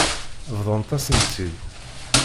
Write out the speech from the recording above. Bḍant-asen-t-id.